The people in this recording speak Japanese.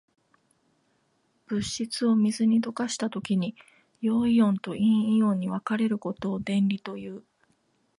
物質を水に溶かしたときに、陽イオンと陰イオンに分かれることを電離という。